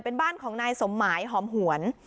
เป็นบ้านของนายสมหมายหอมหวน